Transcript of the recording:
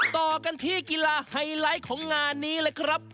ต่อกันที่กีฬาไฮไลท์ของงานนี้เลยครับ